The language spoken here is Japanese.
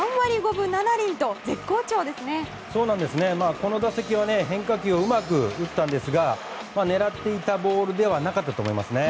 この打席は変化球をうまく打ったんですが狙っていたボールではなかったと思いますね。